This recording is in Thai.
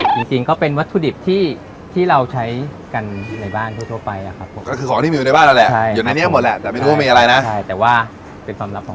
จริงก็เป็นวัตถุดิบที่เราใช้กันในบ้านทั่วไปอะครับ